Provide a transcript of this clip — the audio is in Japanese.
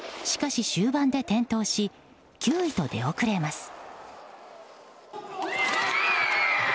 しかし終盤で転倒し９位と出遅れます。